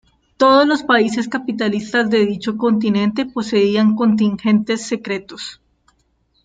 Todos los países capitalistas de dicho continente poseían contingentes secretos.